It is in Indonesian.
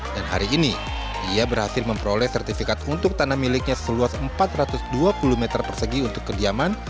dan hari ini ia berhasil memperoleh sertifikat untuk tanah miliknya seluas empat ratus dua puluh meter persegi untuk kediaman